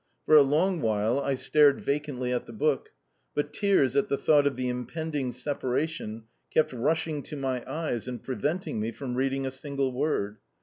For a long while I stared vacantly at the book; but tears at the thought of the impending separation kept rushing to my eyes and preventing me from reading a single word.